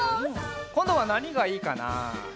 こんどはなにがいいかな？